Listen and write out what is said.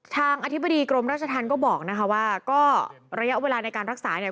อธิบดีกรมราชธรรมก็บอกนะคะว่าก็ระยะเวลาในการรักษาเนี่ย